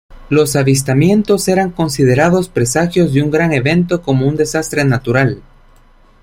Los avistamientos eran considerados presagios de un gran evento como un desastre natural.